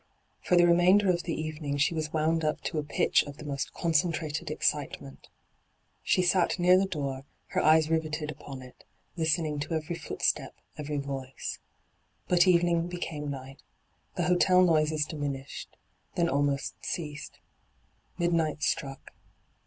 For the remainder of the evening she was wound up to a pitch of the most concentrated excitement. 9 D,gt,, 6rtbyGOOglC I30 ENTRAPPED She sat aear the door, her eyea riveted upon it, listening to every footstep, every voice. But evening becfune night. The hotel noises diminished, then almost ceased. Midnight struck.